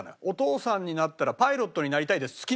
お父さんになったらパイロットになりたいです。